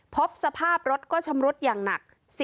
พบสภาพรถก็ชำรุดอย่างหนัก